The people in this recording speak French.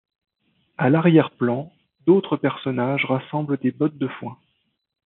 À l'arrière-plan, d'autres personnages rassemblent des bottes de foin.